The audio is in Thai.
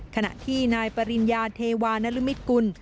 ขณะที่นายปริญญาเทวานรมิตกุล